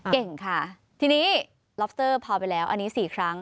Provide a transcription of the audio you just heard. เก่งค่ะทีนี้ล็อบสเตอร์พอไปแล้วอันนี้๔ครั้ง